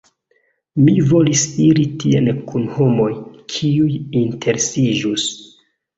Mi volis iri tien kun homoj, kiuj interesiĝus.